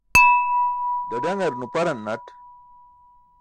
Ḍaḍaṅar nuparn naṭ